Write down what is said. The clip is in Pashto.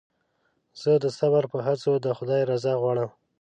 زه د صبر په هڅو د خدای رضا غواړم.